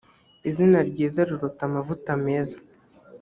izina ryiza riruta amavuta meza